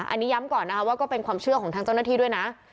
อันนี้ย้ำก่อนนะคะว่าก็เป็นความเชื่อของทางเจ้าหน้าที่ด้วยนะ